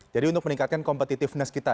jadi untuk meningkatkan competitiveness kita